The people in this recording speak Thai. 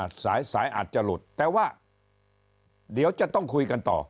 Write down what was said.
สายสายอาจจะหลุดแต่ว่าเดี๋ยวจะต้องคุยกันต่อ